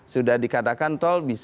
sudah dikatakan tol